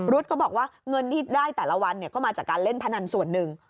ก็บอกว่าเงินที่ได้แต่ละวันก็มาจากการเล่นพนันส่วนหนึ่ง